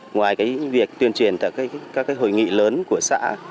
ngoài việc tuyên truyền các hội nghị lớn của xã